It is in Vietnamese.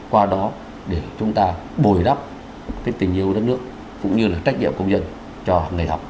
qua đó để chúng ta bồi đắp tình yêu đất nước cũng như là trách nhiệm công dân cho người học